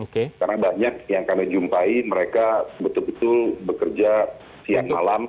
karena banyak yang kami jumpai mereka sebetul betul bekerja siang malam